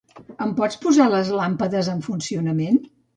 Em pots posar les làmpades en funcionament?